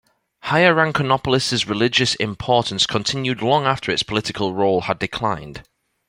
Hierakonpolis's religious importance continued long after its political role had declined.